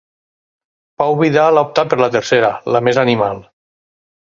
Pau Vidal ha optat per la tercera, la més animal.